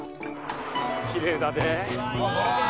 きれいだね。